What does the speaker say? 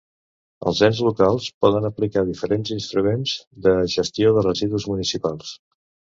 Els ens locals poden aplicar diferents instruments de gestió de residus municipals.